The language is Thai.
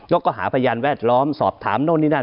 ก็หาพยานแวดล้อมสอบถามโน่นนี่นั่น